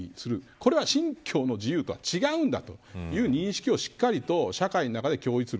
これは、信教の自由とは違うんだという認識をしっかりと社会の中で共有する。